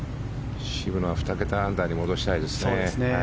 渋野は２桁アンダーに戻したいですね。